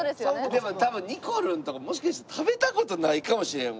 でも多分にこるんもしかして食べた事ないかもしれんわ。